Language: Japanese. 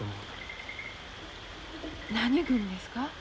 何郡ですか？